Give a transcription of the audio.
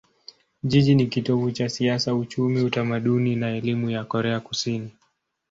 Jiji ni kitovu cha siasa, uchumi, utamaduni na elimu ya Korea Kusini.